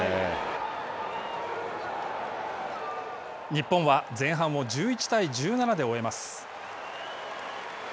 日本は、前半を１１対１７で終えます。